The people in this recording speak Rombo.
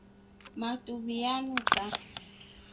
Matuvi nyanuka.